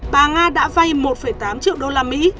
bà nga đã vay một tám triệu usd